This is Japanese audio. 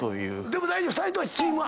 でも大丈夫！